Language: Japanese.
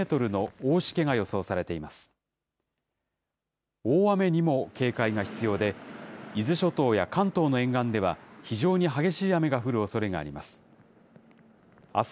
大雨にも警戒が必要で、伊豆諸島や関東の沿岸では非常に激しい雨が降るおそれがあります。